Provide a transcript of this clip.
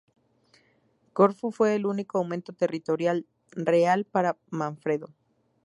Corfú fue el único aumento territorial real para Manfredo.